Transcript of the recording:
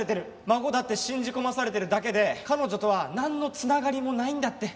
孫だって信じ込まされてるだけで彼女とはなんの繋がりもないんだって。